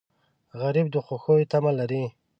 غریب د خوښیو تمه لري